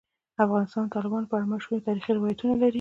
افغانستان د تالابونو په اړه مشهور تاریخی روایتونه لري.